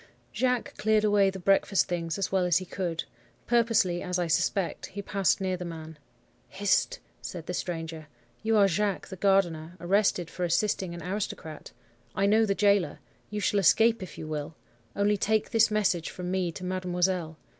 "Jacques cleared away the breakfast things as well as he could. Purposely, as I suspect, he passed near the man. "'Hist!' said the stranger. 'You are Jacques, the gardener, arrested for assisting an aristocrat. I know the gaoler. You shall escape, if you will. Only take this message from me to mademoiselle.